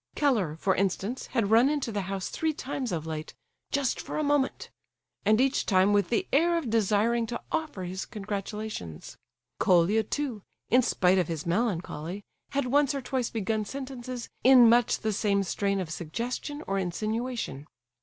Keller, for instance, had run into the house three times of late, "just for a moment," and each time with the air of desiring to offer his congratulations. Colia, too, in spite of his melancholy, had once or twice begun sentences in much the same strain of suggestion or insinuation.